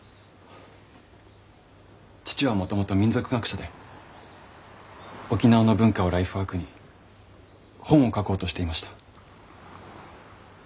父はもともと民俗学者で沖縄の文化をライフワークに本を書こうとしていました。